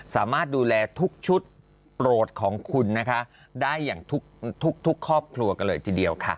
สามารถดูแลทุกชุดโปรดของคุณนะคะได้อย่างทุกครอบครัวกันเลยทีเดียวค่ะ